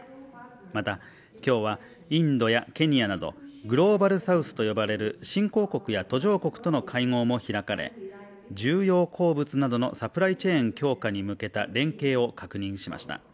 また、今日はインドやケニアなどグローバルサウスと呼ばれる新興国や途上国との会合も開かれ、重要鉱物などのサプライチェーン強化に向けた連携を確認しました。